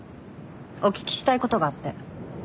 お聞きしたいことがあって。